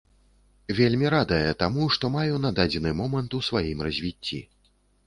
Вельмі радая таму, што маю на дадзены момант у сваім развіцці.